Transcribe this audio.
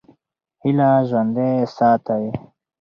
هیله ژوندۍ ساتئ.